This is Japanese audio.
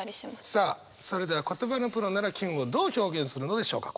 さあそれでは言葉のプロならキュンをどう表現するのでしょうか？